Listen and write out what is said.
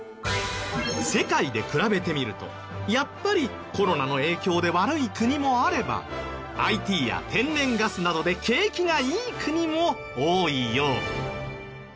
世界で比べてみるとやっぱりコロナの影響で悪い国もあればＩＴや天然ガスなどで景気がいい国も多いよう。